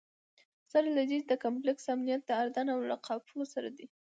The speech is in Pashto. سره له دې چې د کمپلکس امنیت د اردن له اوقافو سره دی.